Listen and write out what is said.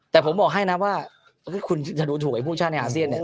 แต่ผมบอกให้นะว่าคุณจะดูถูกไอตัวผู้ชาวในอาเซียน